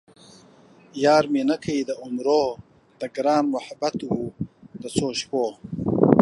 یار مې نه کئ د عمرو ـ د ګران محبت وئ د څو شپو